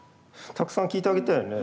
たくさん聞いてあげたよね？